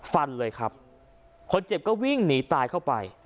ฟันเลยครับคนเจ็บก็วิ่งหนีตายเข้าไป